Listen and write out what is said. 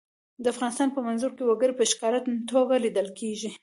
د افغانستان په منظره کې وګړي په ښکاره توګه لیدل کېږي.